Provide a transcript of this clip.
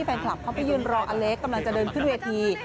แฟนคลับเขาไปยืนรออเล็กกำลังจะเดินขึ้นเวที